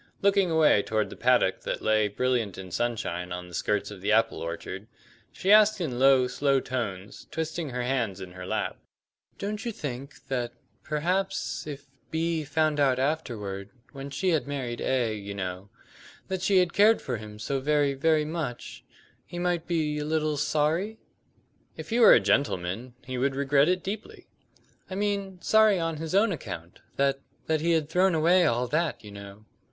Looking away toward the paddock that lay brilliant in sunshine on the skirts of the apple orchard, she asked in low slow tones, twisting her hands in her lap: "Don't you think that perhaps if B found out afterward when she had married A, you know that she had cared for him so very, very much, he might be a little sorry?" "If he were a gentleman he would regret it deeply." "I mean sorry on his own account; that that he had thrown away all that, you know?"